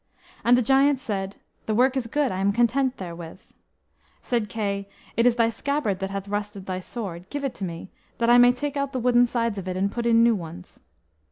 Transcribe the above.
And the giant said, "The work is good; I am content therewith." Said Kay, "It is thy scabbard that hath rusted thy sword; give it to me, that I may take out the wooden sides of it, and put in new ones."